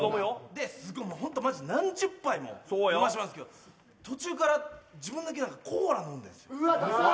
すごい本当まじ何十杯も出してくるんですけど途中から自分だけコーラ飲んでるんです。